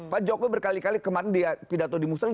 pak jokowi berkali kali kemarin di pidato di musrembur